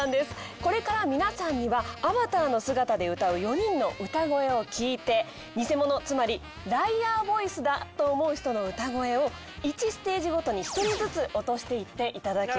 これから皆さんにはアバターの姿で歌う４人の歌声を聴いて偽者つまりライアーボイスだと思う人の歌声を１ステージごとに１人ずつ落としていっていただきます。